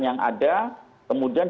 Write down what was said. yang ada kemudian